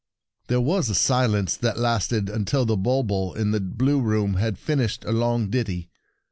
There was a silence that lasted until the bulbul in the blue room had finished a long ditty.